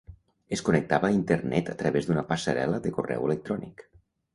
Es connectava a Internet a través d'una passarel·la de correu electrònic.